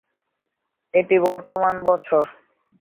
এটি বর্তমান বছর।